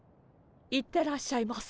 行ってらっしゃいませ。